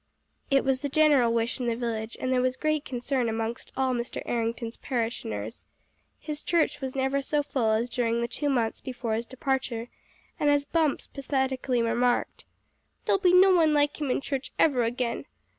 It was the general wish in the village, and there was great concern amongst all Mr. Errington's parishioners. His church was never so full as during the two months before his departure, and as Bumps pathetically remarked "There'll be no one like him in church ever again.